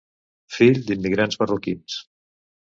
Fill d’immigrants marroquins.